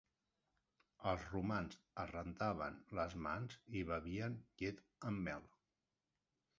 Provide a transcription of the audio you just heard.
Els romans es rentaven les mans i bevien llet amb mel.